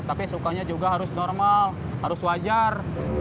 tapi sukanya juga harus normal harus wajar